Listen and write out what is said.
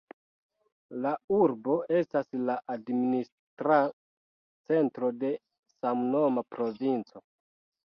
La urbo estas la administra centro de samnoma provinco.